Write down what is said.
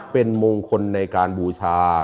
เป็นมงคลในการบูชา